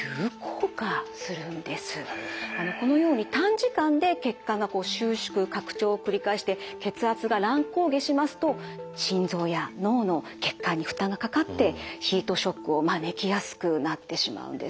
このように短時間で血管が収縮拡張を繰り返して血圧が乱高下しますと心臓や脳の血管に負担がかかってヒートショックを招きやすくなってしまうんです。